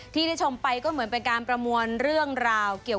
ที่ได้ชมไปก็เหมือนการประมวลเรื่องราว